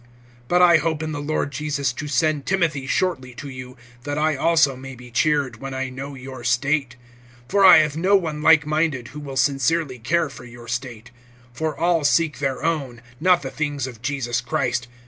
(19)But I hope in the Lord Jesus to send Timothy shortly to you, that I also may be cheered, when I know your state. (20)For I have no one like minded, who will sincerely care for your state. (21)For all seek their own, not the things of Jesus Christ.